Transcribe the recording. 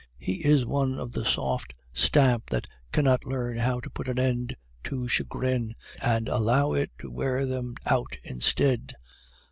He is one of the soft stamp that cannot learn how to put an end to chagrin, and allow it to wear them out instead.